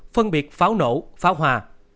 một phân biệt pháo nổ pháo hoa